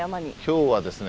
今日はですね